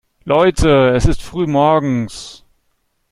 Leute, es ist früh morgens!